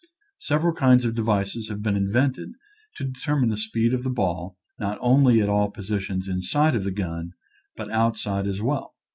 Several kinds of de vices have been invented to determine the speed of the ball not only at all positions in side of the gun, but outside as well.